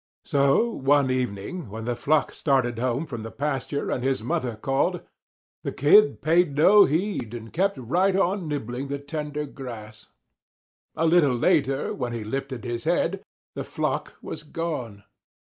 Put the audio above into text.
So one evening when the flock started home from the pasture and his mother called, the Kid paid no heed and kept right on nibbling the tender grass. A little later when he lifted his head, the flock was gone.